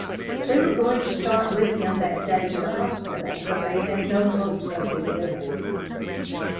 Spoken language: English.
They were going to start with him that day to the hospital, but they had no hopes of his living.